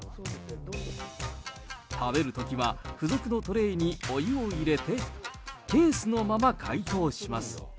食べるときは、付属のトレーにお湯を入れて、ケースのまま解凍します。